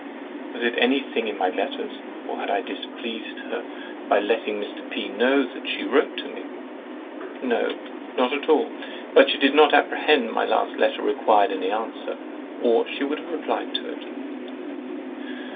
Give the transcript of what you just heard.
Was it any thing in my letters? Or had I displeased her by letting Mr. P—— know she wrote to me?"—"No, not at all; but she did not apprehend my last letter required any answer, or she would have replied to it."